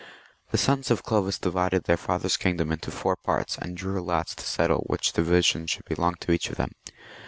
The sons of Clovis divided their father's kingdom into four parts, and drew lots to settle which division should belong to each of them.